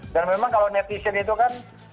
dan memang kalau netizen itu kan